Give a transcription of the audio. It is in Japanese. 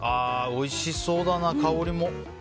おいしそうだな、香りも。